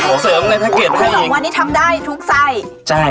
อุ้ยสะดวก